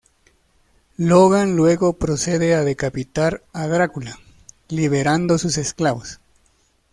Logan luego procede a decapitar a Drácula, liberando sus esclavos.